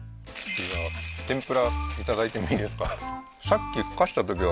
天ぷらいただいてもいいですか？